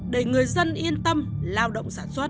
để người dân yên tâm lao động sản xuất